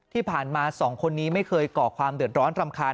ที่ผ่านมาสองคนนี้ไม่เคยก่อความเดือดร้อนรำคาญ